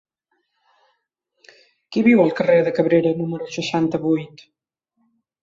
Qui viu al carrer de Cabrera número seixanta-vuit?